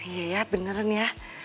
iya beneran ya